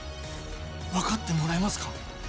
分かってもらえますか？